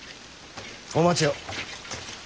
お待ちを。